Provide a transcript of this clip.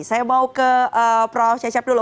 saya mau ke prof cecep dulu